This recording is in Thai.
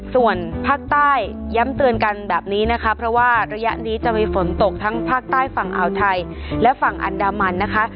ส่วนภาคใต้ย้ำเตือนกันแบบนี้นะคะเพราะว่าระยะนี้จะมีฝนตกทั้งภาคใต้ฝั่งอ่าวไทยและฝั่งอันดามันนะคะ